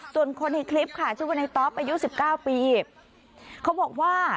จนคนในคลิปค่ะช่วยวนในต๊อปประยุทธ์สิบเก้าปีเขาบอกว่า